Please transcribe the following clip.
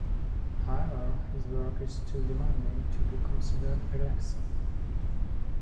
However, his work is "too demanding" to be "considered relaxing".